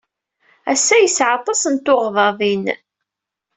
Ass-a yesɛa aṭas n tuɣdaḍin.